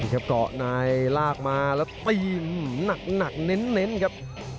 ก็นายลากมาแล้วตีมหนักเน้นครับ